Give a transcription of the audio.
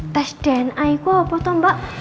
tes dna itu apa tuh mbak